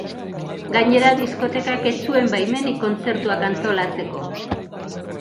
Gainera, diskotekak ez zuen baimenik kontzertuak antolatzeko.